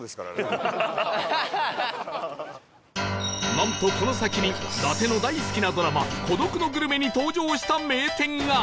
なんとこの先に伊達の大好きなドラマ『孤独のグルメ』に登場した名店が